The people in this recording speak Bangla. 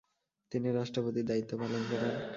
তিনি রাষ্ট্রপতির দায়িত্ব পালন করেন।